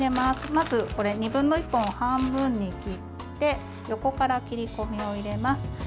まず、２分の１本を半分に切って横から切り込みを入れます。